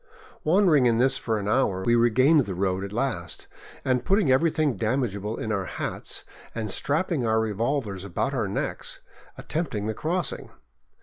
Wandering in this for an hour, we regained the road at last, and, putting everything damageable in our hats and strapping our re volvers about our necks, attempted the crossing.